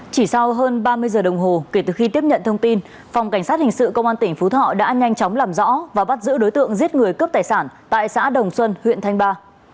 chỉ sau hơn ba mươi giờ đồng hồ kể từ khi tiếp nhận thông tin phòng cảnh sát hình sự công an tỉnh phú thọ đã nhanh chóng làm rõ và bắt giữ đối tượng giết người cướp tài sản tại xã đồng xuân huyện thanh ba